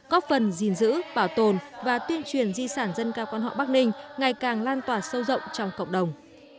góp phần gìn giữ bảo tồn và tuyên truyền di sản dân ca quan họ bắc ninh ngày càng lan tỏa sâu rộng trong cộng đồng